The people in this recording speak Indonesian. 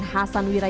mereka akan tersindak